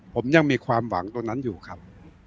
ผมยังมีความหวังตรงนั้นอยู่ครับ